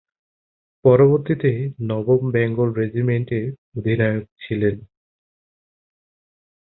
পরবর্তীতে নবম বেঙ্গল রেজিমেন্টের অধিনায়ক ছিলেন।